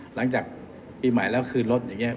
หลังจากปีใหม่แล้วคืนรถอย่างนี้